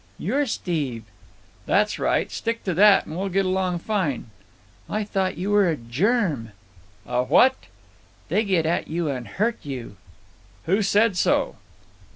"You're Steve." "That's right. Stick to that and we'll get along fine." "I thought you were a germ." "A what?" "They get at you and hurt you." "Who said so?"